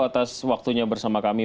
atas waktunya bersama kami